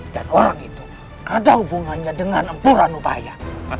dan orang itu ada hubungannya dengan empura nubaya